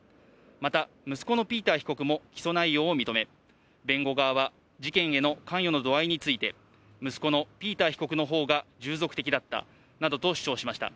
また息子のピーター被告も起訴内容を認め、弁護側は事件への関与の度合いについて、息子のピーター被告のほうが従属的だったなどと主張しました。